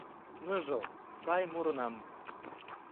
Ныжыл, сай мурынам